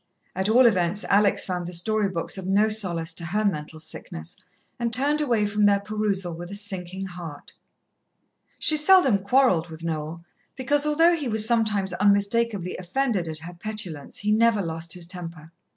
At all events, Alex found the story books of no solace to her mental sickness, and turned away from their perusal with a sinking heart. She seldom quarrelled with Noel because, although he was sometimes unmistakably offended at her petulance, he never lost his temper.